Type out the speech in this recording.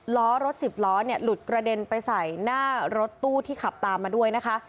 ล้อรถสิบล้อเนี่ยหลุดกระเด็นไปใส่หน้ารถตู้ที่ขับตามมาด้วยนะคะ